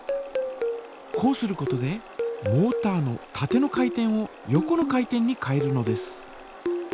こうすることでモータのたての回転を横の回転に変えるのです。